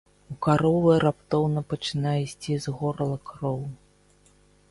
У каровы раптоўна пачынае ісці з горла кроў.